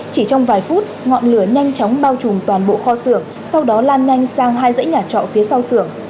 chỉ trong vài phút ngọn lửa nhanh chóng bao trùm toàn bộ kho xưởng sau đó lan nhanh sang hai dãy nhà trọ phía sau xưởng